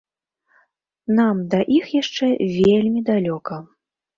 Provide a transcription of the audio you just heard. Нам да іх яшчэ вельмі далёка!